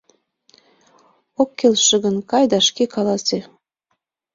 Ок келше гын, кай да шке каласе.